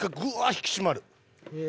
引き締まる。